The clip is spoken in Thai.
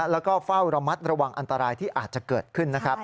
แล้วก็เฝ้าระมัดระวังอันตรายที่อาจจะเกิดขึ้นนะครับ